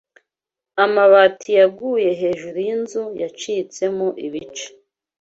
Amabati yaguye hejuru yinzu yacitsemo ibice.